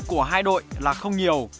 của hai đội là không nhiều